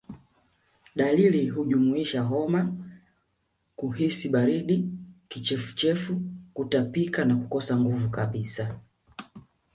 Dalili hujumuisha homa kuhisi baridi kichefuchefu Kutapika na kukosa nguvu kabisa